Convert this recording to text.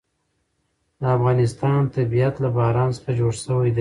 د افغانستان طبیعت له باران څخه جوړ شوی دی.